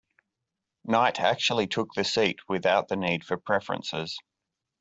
Knight actually took the seat without the need for preferences.